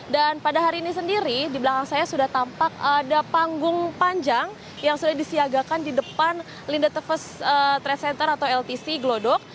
dan pada hari ini sendiri di belakang saya sudah tampak ada panggung panjang yang sudah disiagakan di depan linda teves trade center atau ltc glodok